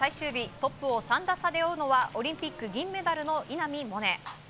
トップを３打差で追うのはオリンピック銀メダルの稲見萌寧。